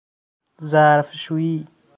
ظرفشویی